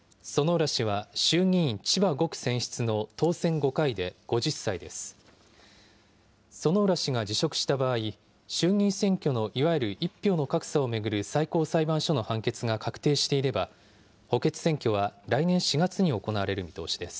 薗浦氏が辞職した場合、衆議院選挙のいわゆる１票の格差を巡る最高裁判所の判決が確定していれば、補欠選挙は来年４月に行われる見通しです。